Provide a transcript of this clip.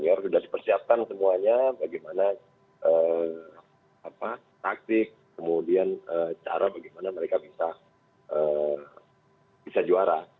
saya juga sudah mempersiapkan semuanya bagaimana taktik cara bagaimana mereka bisa juara